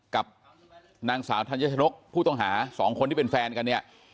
กับนางสาวธัญชนกผู้ต้องหาสองคนที่เป็นแฟนกันเนี่ย